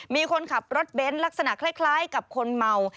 มีคนขับรถเบนท์ลักษณะคล้ายกับคนเมา